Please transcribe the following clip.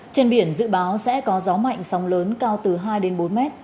trên biển dự báo sẽ có gió mạnh sóng lớn cao từ hai đến bốn mét